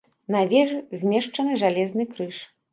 На вежы змешчаны жалезны крыж.